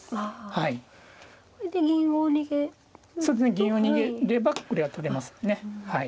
銀を逃げればこれが取れますねはい。